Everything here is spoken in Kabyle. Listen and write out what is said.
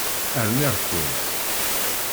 Rniɣ-kent.